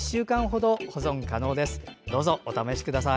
どうぞお試しください。